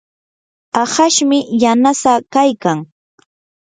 ahashmi yanasaa kaykan.